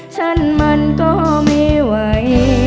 ฉันมันก็ไม่ไหว